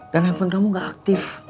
dan handphone kamu gak aktif